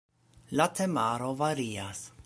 La temaro varias.